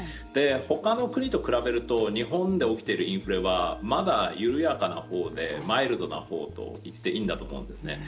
他の国と比べると日本で起きているインフレはまだ緩やかな方でマイルドなほうといっていいんだと思うんですね。